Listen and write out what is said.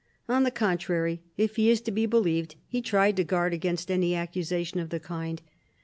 On the contrary, if he is to be believed, he tried to guard against any accusation of the kind.